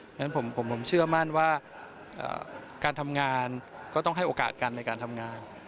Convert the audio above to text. เพราะฉะนั้นผมเชื่อมั่นว่าการทำงานก็ต้องให้โอกาสกันในการทำงาน